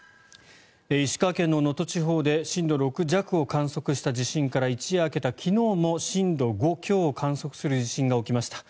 石川県の能登地方で震度６弱を観測した地震から一夜明けた昨日も、震度５強を観測する地震が起きました。